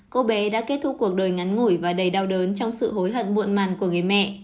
cô bé đã kết thúc cuộc đời ngắn ngủi và đầy đau đớn trong sự hối hận muộn màn của người mẹ